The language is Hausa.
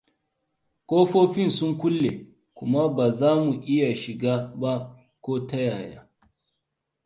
Ƙofofin sun kulle kuma ba za mu iya shiga ba ko ta yaya.